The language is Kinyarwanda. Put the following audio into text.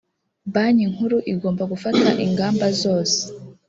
banki nkuru igomba gufata ingamba zose